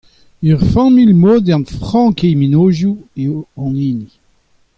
Ur familh modern frank he mennozhioù eo hon hini.